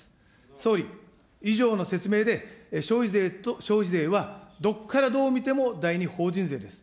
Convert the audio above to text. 総理、以上の説明で、消費税はどこからどう見ても第二法人税です。